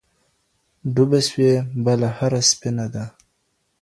ډوبه سوې بله هر سفينه ده